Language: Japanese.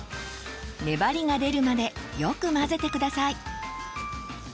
粘りが出るまでよく混ぜて下さい。